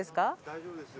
大丈夫です。